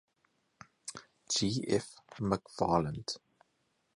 G. F. McFarland.